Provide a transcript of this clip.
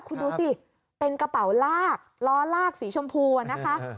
คุณดูสิเป็นกระเป๋าลากล้อลากสีชมพูอะนะคะ